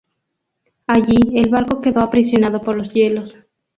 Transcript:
Allí el barco quedó aprisionado por los hielos.